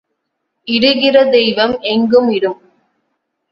இடுகிற தெய்வம் எங்கும் இடும்.